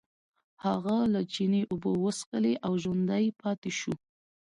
هغه له چینې اوبه وڅښلې او ژوندی پاتې شو.